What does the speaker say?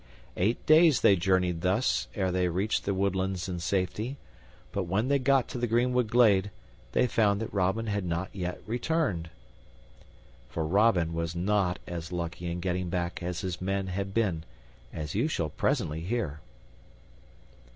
Eight days they journeyed thus ere they reached the woodlands in safety, but when they got to the greenwood glade, they found that Robin had not yet returned. For Robin was not as lucky in getting back as his men had been, as you shall presently hear.